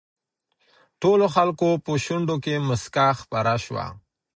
ټولو خلکو په شونډو کې مسکا خپره شوه.